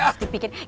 gelas dipikirin lagi